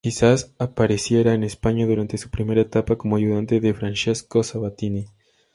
Quizás apareciera en España durante su primera etapa como ayudante de Francesco Sabatini.